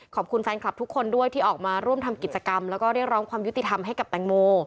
ขอบคุณแฟนคลับทุกคนด้วยที่ออกมาร่วมทำกิจกรรมแล้วก็เรียกร้องความยุติธรรมให้กับแตงโม